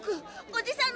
おじさん